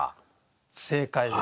正解です。